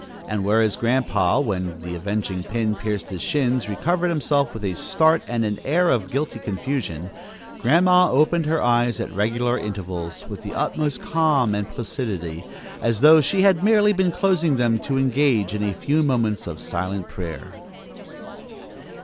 And whereas Grandpa, when the avenging pin pierced his shins, recovered himself with a start and an air of guilty confusion, Grandma opened her eyes at regular intervals, with the utmost calm and placidity, as though she had merely been closing them to engage in a few moments of silent prayer.